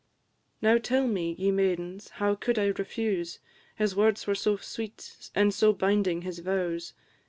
Now tell me, ye maidens, how could I refuse? His words were so sweet, and so binding his vows!